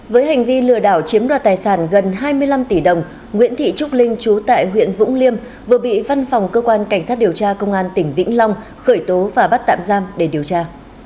với hành vi lừa đảo chiếm đoạt tài sản gần hai mươi năm tỷ đồng nguyễn thị trúc linh trú tại huyện vũng liêm vừa bị văn phòng cơ quan cảnh sát điều tra công an tỉnh vĩnh long khởi tố và bắt tạm giam để điều tra